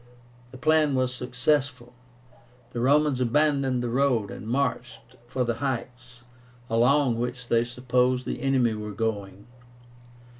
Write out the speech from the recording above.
The plan was successful. The Romans abandoned the road and marched for the heights, along which they supposed the enemy were going.